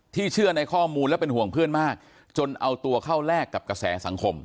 เชื่อในข้อมูลและเป็นห่วงเพื่อนมากจนเอาตัวเข้าแลกกับกระแสสังคม